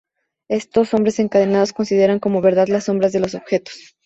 Estos hombres encadenados consideran como verdad las sombras de los objetos.